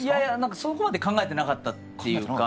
そこまで考えてなかったっていうか。